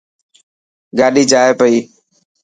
گاڏي جائي پئي.